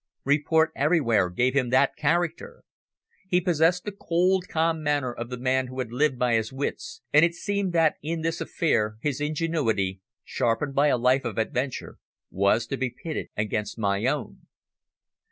Report everywhere gave him that character. He possessed the cold, calm manner of the man who had lived by his wits, and it seemed that in this affair his ingenuity, sharpened by a life of adventure, was to be pitted against my own.